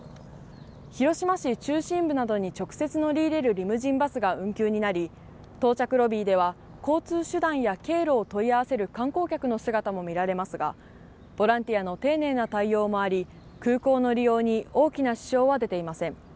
広島市中心部などに直接乗り入れるリムジンバスが運休になり到着ロビーでは交通手段や経路を問い合わせる観光客の姿も見られますがボランティアの丁寧な対応もあり空港の利用に大きな支障は出ていません。